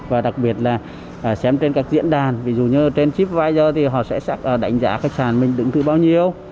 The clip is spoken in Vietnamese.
và đặc biệt là xem trên các diễn đàn ví dụ như trên tripadvisor thì họ sẽ đánh giá khách sạn mình đứng thử bao nhiêu